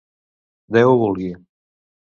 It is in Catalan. Déu ho vulgui!